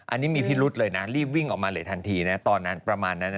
อันนี้มีพิรุษเลยนะรีบวิ่งออกมาเลยทันทีนะตอนนั้นประมาณนั้น